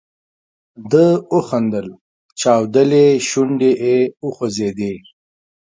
ده وخندل، چاودلې شونډې یې وخوځېدې.